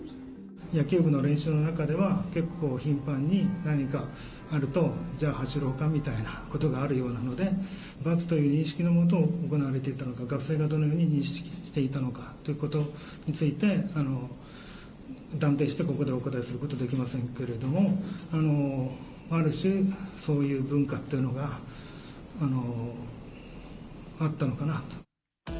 野球部の練習の中では、結構頻繁に何かあると、じゃあ走ろうかみたいなことがあるようなので、罰という認識の下、行われていたのか、学生がどのように認識していたのかということについて、断定してお答えすることできませんけれども、ある種そういう文化というのがあったのかなと。